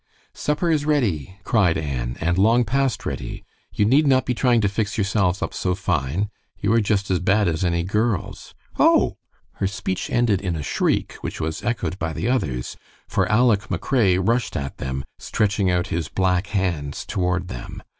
"Supper is ready," cried Annie, "and long past ready. You need not be trying to fix yourselves up so fine. You are just as bad as any girls. Oh!" Her speech ended in a shriek, which was echoed by the others, for Aleck McRae rushed at them, stretching out his black hands toward them.